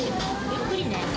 ゆっくりね。